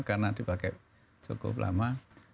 karena dipakai cukup lama